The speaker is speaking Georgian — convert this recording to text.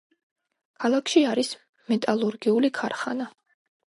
ქალაქში არის მეტალურგიული ქარხანა.